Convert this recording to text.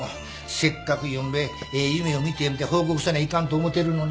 せっかくゆんべええ夢を見て報告せにゃいかんと思うてるのに。